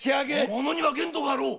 ものには限度があろう！